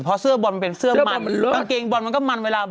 แบบวิ่งเนี่ยมุมแม่มันเลิศ